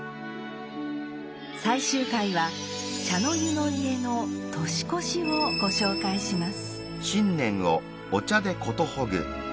最終回は茶の湯の家の年越しをご紹介します。